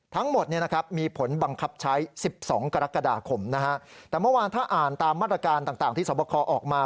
ทั้งหมดมีผลบังคับใช้๑๒กรกฎาคมแต่เมื่อวานถ้าอ่านตามมาตรการต่างที่สวบคอออกมา